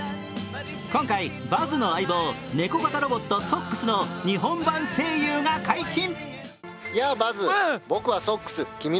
今回バズの相棒猫型ロボット・ソックスの日本版声優が解禁。